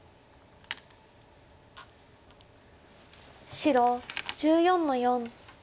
白１４の四。